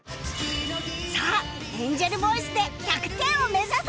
さあエンジェルボイスで１００点を目指せ！